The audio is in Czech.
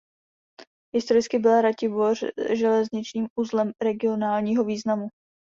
Historicky byla Ratiboř železničním uzlem regionálního významu.